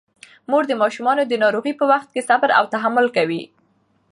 مور د ماشومانو د ناروغۍ په وخت کې صبر او تحمل کوي.